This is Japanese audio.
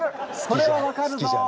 それは分かるぞ。